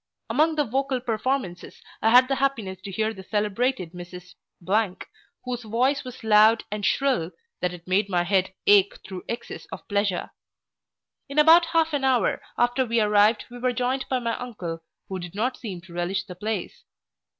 Among the vocal performers I had the happiness to hear the celebrated Mrs , whose voice was loud and shrill, that it made my head ake through excess of pleasure. In about half an hour after we arrived we were joined by my uncle, who did not seem to relish the place.